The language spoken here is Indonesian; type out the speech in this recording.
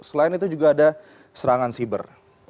selain itu juga ada serangan siber